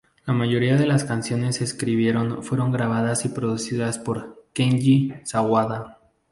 La mayoría de las canciones se escribieron fueron grabadas y producidas por Kenji Sawada.